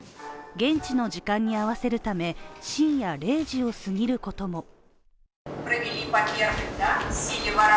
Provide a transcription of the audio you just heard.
現地の時間に合わせるため深夜０時を過ぎることも。